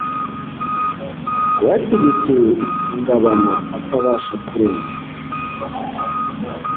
Wayategekeye ingabano atabasha kurenga